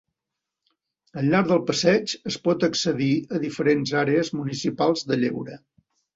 Al llarg del passeig es pot accedir a diferents àrees municipals de lleure.